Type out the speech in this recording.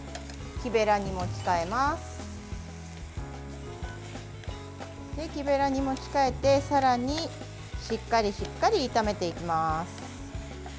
木べらに持ち替えて、さらにしっかりしっかり炒めていきます。